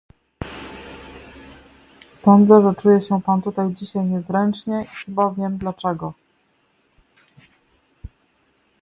Sądzę, że czuje się pan tutaj dzisiaj niezręcznie i chyba wiem dlaczego